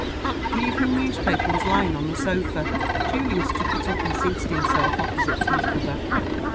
The evening newspaper was lying on the sofa. Julius took it up, and seated himself opposite to his brother.